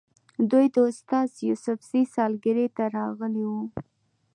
دوی د استاد یوسفزي سالګرې ته راغلي وو.